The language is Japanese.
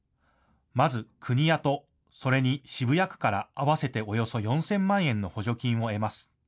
まず国や都、それに渋谷区から合わせておよそ４０００万円の補助金を得ます。